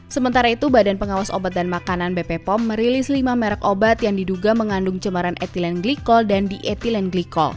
sementara itu badan pengawas obat dan makanan bp pom merilis lima merek obat yang diduga mengandung cemaran ethylene glycol dan diethylene glycol